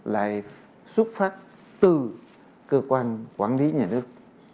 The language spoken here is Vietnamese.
lại xuất phát từ cơ quan quản lý nhà nước